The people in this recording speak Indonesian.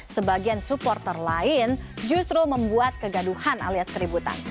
sebagian supporter lain justru membuat kegaduhan alias keributan